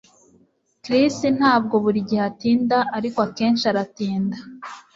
Chris ntabwo buri gihe atinda ariko akenshi aratinda